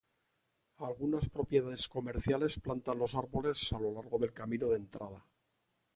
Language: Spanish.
Algunas propiedades comerciales plantan los árboles a lo largo del camino de entrada.